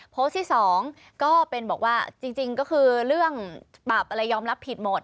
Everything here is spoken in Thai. โพสต์ที่๒ก็เป็นบอกว่าจริงก็คือเรื่องปรับอะไรยอมรับผิดหมด